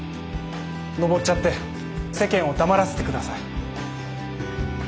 登っちゃって世間を黙らせてください。